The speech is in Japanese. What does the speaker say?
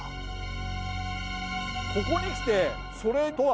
ここにきてそれとは。